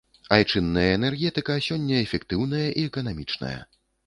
Айчынная энергетыка сёння эфектыўная і эканамічная.